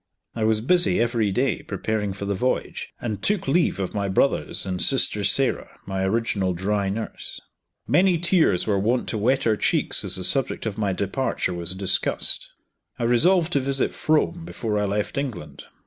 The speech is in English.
I was busy every day preparing for the voyage, and took leave of my brothers and sister Sarah, my original dry nurse. Many tears were wont to wet our cheeks as the subject of my departure was discussed. I resolved to visit Frome before I left England.